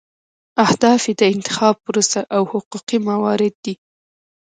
اهداف یې د انتخاب پروسه او حقوقي موارد دي.